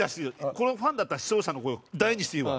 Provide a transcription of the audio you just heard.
このファンだった視聴者の声を大にして言うわ。